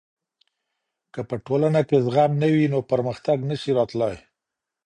که په ټولنه کي زغم نه وي نو پرمختګ نسي راتلای.